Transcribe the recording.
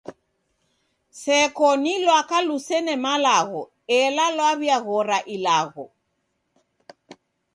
Seko ni lwaka lusene malagho ela lwaw'iaghora ilagho.